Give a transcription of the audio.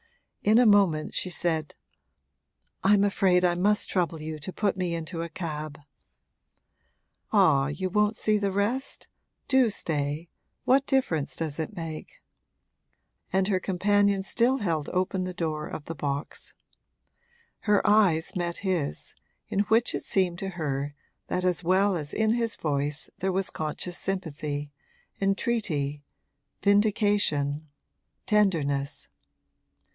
In a moment she said: 'I'm afraid I must trouble you to put me into a cab.' 'Ah, you won't see the rest? Do stay what difference does it make?' And her companion still held open the door of the box. Her eyes met his, in which it seemed to her that as well as in his voice there was conscious sympathy, entreaty, vindication, tenderness.